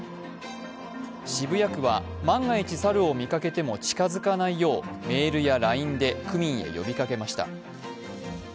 渋谷区は万が一猿を見かけても近づかないようメールやＬＩＮＥで区民へ呼びかけました。